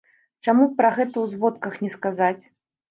Чаму б пра гэта ў зводках не сказаць?